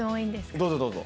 どうぞどうぞ。